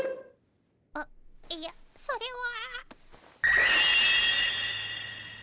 あっいやそれは。